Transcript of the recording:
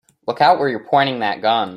Look out where you're pointing that gun!